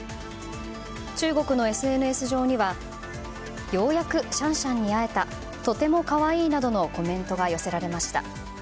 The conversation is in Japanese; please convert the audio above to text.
中国のＳＮＳ上ではようやくシャンシャンに会えたとても可愛いなどのコメントが寄せられました。